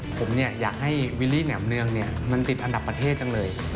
ผมอยากให้วิลลี่แหม่มเนืองมันติดอันดับประเทศจังเลย